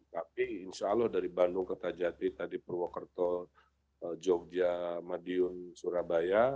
tapi insya allah dari bandung ke tajati tadi purwokerto jogja madiun surabaya